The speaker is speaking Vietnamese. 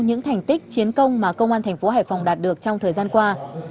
những thành tích chiến công mà công an thành phố hải phòng đạt được trong thời gian qua